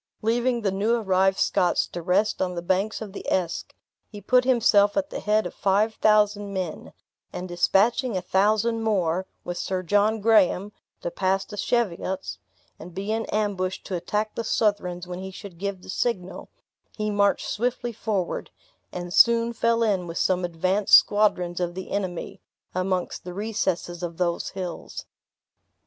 Leaving the new arrived Scots to rest on the banks of the Esk, he put himself at the head of five thousand men; and dispatching a thousand more, with Sir John Graham, to pass the Cheviots, and be in ambush to attack the Southrons when he should give the signal, he marched swiftly forward, and soon fell in with some advanced squadrons of the enemy, amongst the recesses of those hills.